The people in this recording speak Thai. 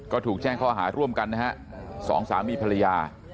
ก็ถูกแจ้งข้อหาร่วมกันนะฮะสองสามีภรรยา